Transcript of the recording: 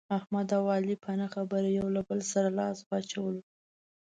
احمد او علي په نه خبره یو له بل سره لاس واچولو.